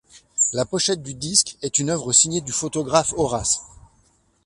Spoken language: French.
La pochette du disque est une œuvre signée du photographe Oras.